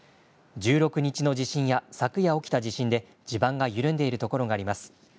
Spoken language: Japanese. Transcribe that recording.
１６日の地震や昨夜起きた地震で地盤が緩んでいる所があります。